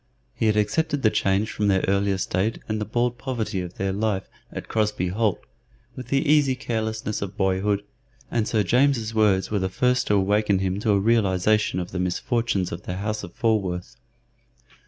He had accepted the change from their earlier state and the bald poverty of their life at Crosbey Holt with the easy carelessness of boyhood, and Sir James's words were the first to awaken him to a realization of the misfortunes of the house of Falworth.